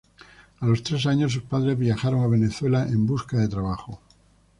A los tres años sus padres viajaron a Venezuela en busca de trabajo.